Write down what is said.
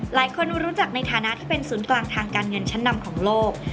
หลายคนรู้จักในฐานะที่เป็นศูนย์กลางทางการเงินชั้นนำของโลก